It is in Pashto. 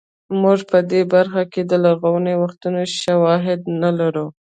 موږ په دې برخه کې د لرغونو وختونو شواهد نه لرو